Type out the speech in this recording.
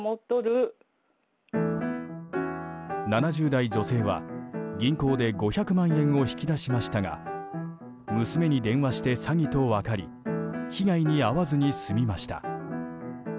７０代女性は、銀行で５００万円を引き出しましたが娘に電話して詐欺と分かり被害に遭わずに済みました。